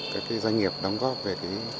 các doanh nghiệp đóng góp về